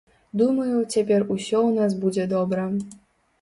Думаю, цяпер усё ў нас будзе добра.